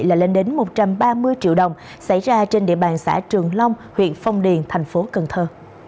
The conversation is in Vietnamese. là lên đến một trăm ba mươi triệu đồng xảy ra trên địa bàn xã trường long huyện phong điền thành phố cần thơ